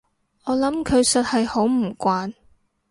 我諗佢實係好唔慣